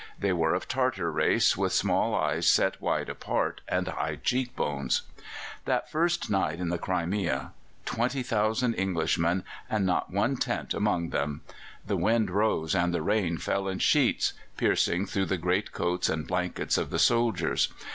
They were of Tartar race, with small eyes set wide apart and high cheek bones. That first night in the Crimea! Twenty thousand Englishmen, and not one tent amongst them! The wind rose and the rain fell in sheets, piercing through the greatcoats and blankets of the soldiers.